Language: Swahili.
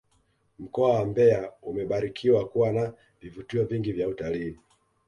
mkoa wa mbeya umebarikiwa kuwa na vivutio vingi vya utalii